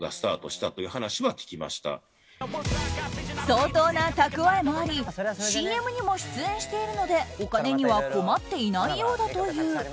相当な蓄えもありＣＭにも出演しているのでお金には困っていないようだという。